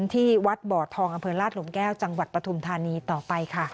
ที่วัดบ่อทองอำเภอลาดหลุมแก้วจังหวัดปฐุมธานีต่อไปค่ะ